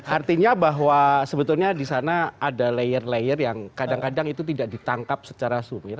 artinya bahwa sebetulnya di sana ada layer layer yang kadang kadang itu tidak ditangkap secara sumir